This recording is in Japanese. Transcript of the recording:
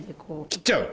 切っちゃう？